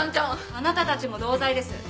あなたたちも同罪です。